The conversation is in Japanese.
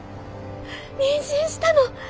妊娠したの！